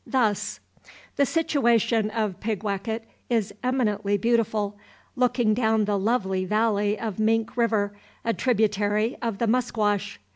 Thus: "The situation of Pigwacket is eminently beautiful, looking down the lovely valley of Mink River, a tributary of the Musquash.